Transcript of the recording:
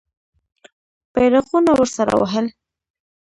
بیرغونه ورسره وهل.